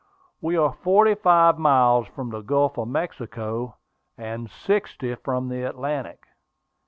We are forty five miles from the Gulf of Mexico, and sixty from the Atlantic.